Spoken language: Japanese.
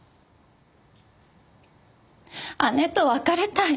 姉と別れたい。